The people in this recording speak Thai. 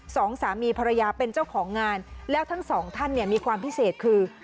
สองสามีภรรยาเป็นเจ้าของงานแล้วทั้งสองท่านเนี่ยมีความพิเศษคือ